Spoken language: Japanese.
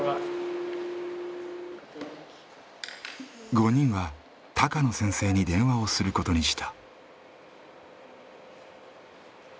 ５人は高野先生に電話をすることにした。